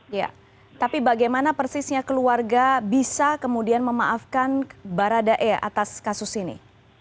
ya tapi bagaimana persisnya keluarga bisa kemudian memaafkan baradae atas kasus ini